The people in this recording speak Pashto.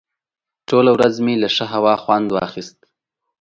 ټوله ورځ مې له ښې هوا خوند واخیست.